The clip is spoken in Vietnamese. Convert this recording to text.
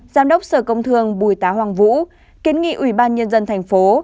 giám đốc sở công thương bùi tá hoàng vũ kiến nghị ủy ban nhân dân thành phố